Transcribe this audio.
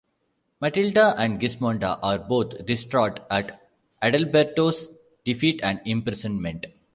Matilda and Gismonda are both distraught at Adelberto's defeat and imprisonment.